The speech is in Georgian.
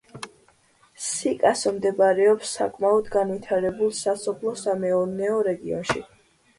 სიკასო მდებარეობს საკმაოდ განვითარებულ სასოფლო-სამეურნეო რეგიონში.